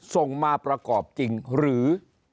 ส่งมาประกอบจริงหรือ